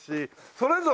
それぞれ。